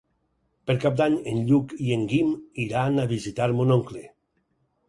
Per Cap d'Any en Lluc i en Guim iran a visitar mon oncle.